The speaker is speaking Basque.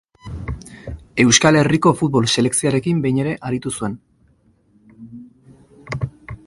Euskal Herriko futbol selekzioarekin behin ere aritu zuen.